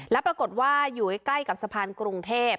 แล้วปรากฏว่าอยู่ใกล้กับสะพานกรุงเทพ